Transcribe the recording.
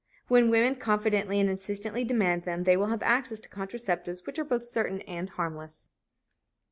When women confidently and insistently demand them, they will have access to contraceptives which are both certain and harmless.